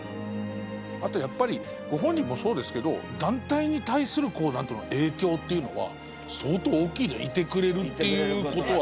あとやっぱりご本人もそうですけど団体に対するこうなんていうの影響っていうのは相当大きいいてくれるっていう事は。